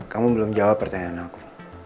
kamu belum jawab pertanyaan aku